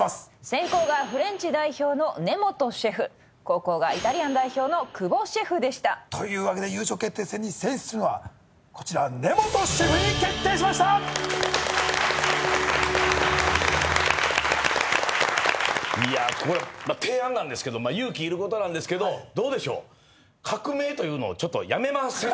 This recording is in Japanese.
先攻がフレンチ代表の根本シェフ後攻がイタリアン代表の久保シェフでしたというわけで優勝決定戦に進出するのはこちら根本シェフに決定しましたいやこれ提案なんですけど勇気いることなんですけどどうでしょう？